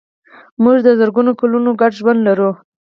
موږ د زرګونو کلونو ګډ ژوند لرو.